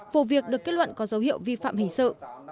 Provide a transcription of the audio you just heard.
vụ việc được kết luận có dấu hiệu vi phạm hình sự